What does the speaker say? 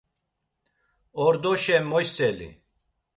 Ordoşe moyseli!